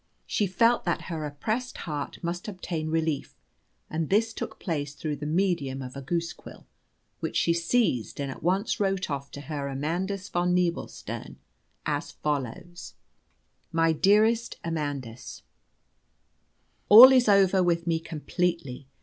She felt that her oppressed heart must obtain relief; and this took place through the medium of a goose quill, which she seized, and at once wrote off to Herr Amandus von Nebelstern as follows: "MY DEAREST AMANDUS "All is over with me completely.